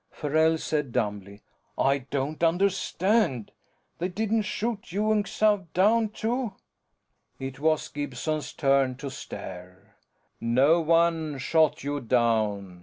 Farrell said dumbly, "I don't understand. They didn't shoot you and Xav down too?" It was Gibson's turn to stare. "No one shot you down!